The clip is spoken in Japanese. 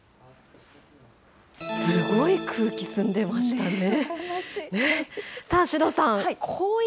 すごい空気澄んでましたね。